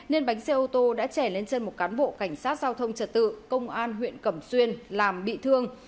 đánh xe ô tô đã chảy lên chân một cán bộ cảnh sát giao thông trật tự công an huyện cẩm xuyên làm bị thương